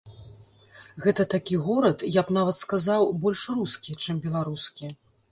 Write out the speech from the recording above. Гэта такі горад, я б нават сказаў, больш рускі, чым беларускі.